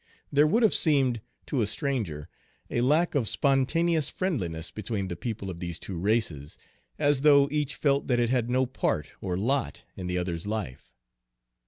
There would have seemed, to a stranger, a lack, of spontaneous friendliness between the people of these two races, as though each felt that it had no part or lot in the other's life.